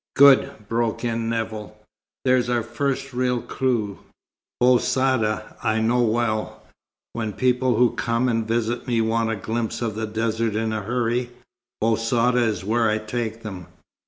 "Good!" broke in Nevill. "There's our first real clue! Bou Saada I know well. When people who come and visit me want a glimpse of the desert in a hurry, Bou Saada is where I take them.